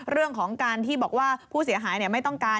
เรื่องของการที่บอกว่าผู้เสียหายไม่ต้องการ